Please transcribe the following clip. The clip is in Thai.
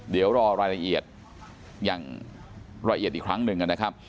เดี๋ยวรอรายละเอียดอย่างละเอียดอีกครั้งหนึ่งนะครับ